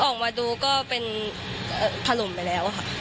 ออกมาดูก็เป็นถล่มไปแล้วค่ะ